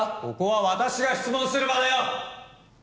ここは私が質問する場だよ！